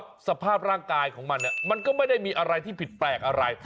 เพราะว่าสภาพร่างกายของมันมันก็ไม่ได้มีอะไรที่ผิดแปลกอะไร